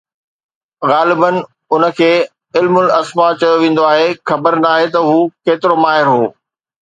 غالباً ان کي ”علم الاسماء“ چيو ويندو آهي، خبر ناهي ته هو ڪيترو ماهر هو.